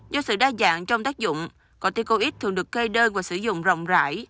do sự đa dạng trong tác dụng corticoid thường được cây đơn và sử dụng rộng rãi